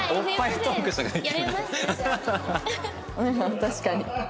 確かに。